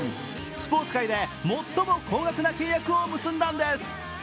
スポーツ界で最も高額な契約を結んだんです。